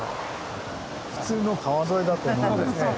普通の川沿いだと思うんですけど。